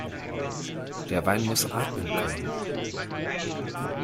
Der Wein muss atmen können.